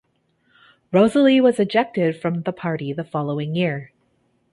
Roselli was ejected from the Party the following year.